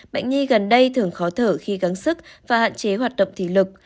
bệnh nhi gần đây thường khó thở khi gắng sức và hạn chế hoạt động thể lực